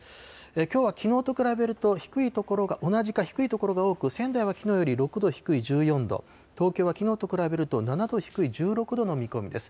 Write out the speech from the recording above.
きょうはきのうと比べると同じか低い所が多く、仙台はきのうより６度低い１４度、東京はきのうと比べると７度低い１６度の見込みです。